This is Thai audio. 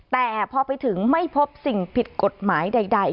แต่พอไปถึงไม่พบสิ่งผิดกฎหมายใด